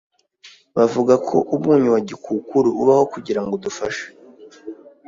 bavuga ko umunyu wa gikukuru ubaho kugirango udufashe